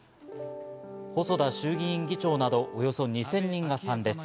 細田衆院議長など、およそ２０００人が参列。